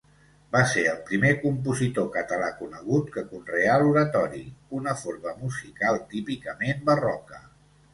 Va ser el primer compositor català conegut que conreà l'oratori, una forma musical típicament barroca.